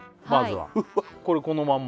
まずはこれこのまんま？